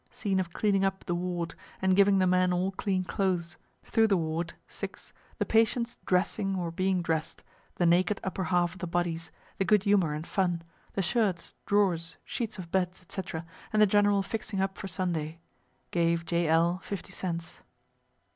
Scene of cleaning up the ward, and giving the men all clean clothes through the ward (6) the patients dressing or being dress'd the naked upper half of the bodies the good humor and fun the shirts, drawers, sheets of beds, &c., and the general fixing up for Sunday. Gave J. L. 50 cents.